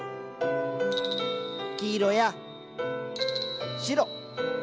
黄色や白。